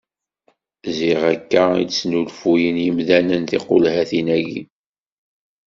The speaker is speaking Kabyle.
Ziɣ akka i d-snulfuyen yimdanen tiqulhatin-aki.